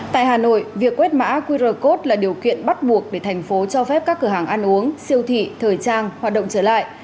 tại hà nội việc quét mã qr code là điều kiện bắt buộc để thành phố cho phép các cửa hàng ăn uống siêu thị thời trang hoạt động trở lại